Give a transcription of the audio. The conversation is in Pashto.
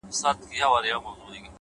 خو د سندرو په محل کي به دي ياده لرم _